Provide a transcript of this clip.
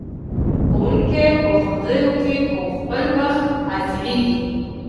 ښوونکي په ښوونځیو کې په خپل وخت حاضریږي.